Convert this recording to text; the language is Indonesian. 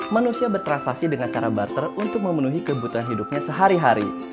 manusia bertransaksi dengan cara barter untuk memenuhi kebutuhan hidupnya sehari hari